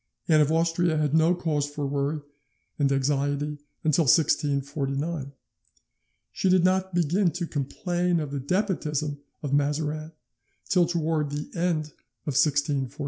Anne of Austria had no cause for worry and anxiety till 1649. She did not begin to complain of the despotism of Mazarin till towards the end of 1645" (Ibid., viol.